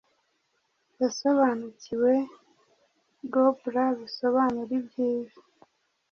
yasobanukiwe gódra bisobanura ibyiza